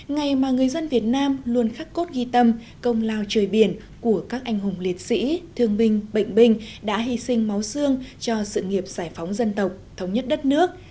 ngày mà người dân việt nam luôn khắc cốt ghi tâm công lao trời biển của các anh hùng liệt sĩ thương binh bệnh binh đã hy sinh máu xương cho sự nghiệp giải phóng dân tộc thống nhất đất nước